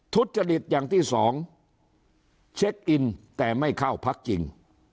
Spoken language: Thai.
ทุจริตอย่างที่สองเช็คอินแต่ไม่เข้าพักจริง